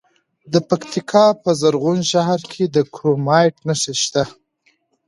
د پکتیکا په زرغون شهر کې د کرومایټ نښې شته.